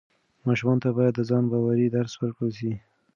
ماشومانو ته باید د ځان باورۍ درس ورکړل سي.